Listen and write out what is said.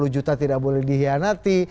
enam puluh juta tidak boleh dihianati